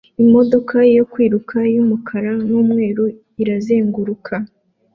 Imodoka yo kwiruka yumukara numweru irazenguruka